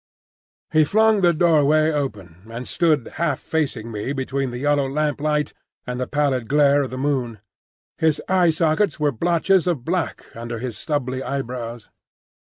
He flung the doorway open, and stood half facing me between the yellow lamp light and the pallid glare of the moon; his eye sockets were blotches of black under his stubbly eyebrows.